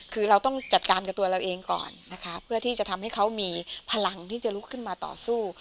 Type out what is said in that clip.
คือเราต้องจัดการกับตัวเราเองก่อนนะคะเพื่อที่จะทำให้เขามีพลังที่จะลุกขึ้นมาต่อสู้